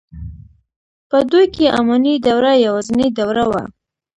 په دوی کې اماني دوره یوازنۍ دوره وه.